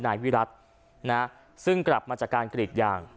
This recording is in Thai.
นายวิรัตินะซึ่งกลับมาจากการกรีดยาง